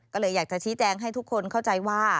ก็เลยอยากจะชี้แจงให้ทุกคนเข้าใจว่า